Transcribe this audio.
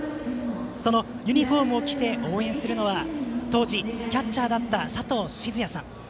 そのユニフォームを着て応援するのは当時、キャッチャーだったさとうしずやさん。